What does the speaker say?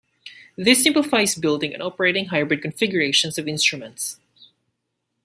This simplifies building and operating hybrid configurations of instruments.